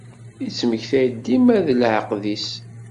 Ittmektay-d dima d leɛqed-is.